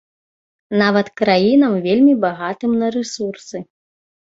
Нават краінам, вельмі багатым на рэсурсы.